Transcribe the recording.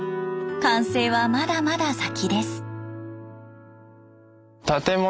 完成はまだまだ先です。